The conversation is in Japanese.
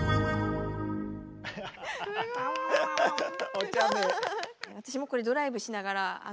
おちゃめ。